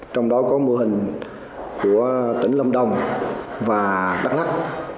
trong đó có mô hình của tỉnh lâm đồng và đắk lắc